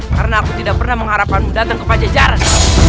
karena aku tidak pernah mengharapkanmu datang ke pajajaran